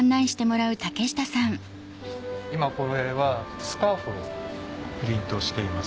今これはスカーフをプリントしています。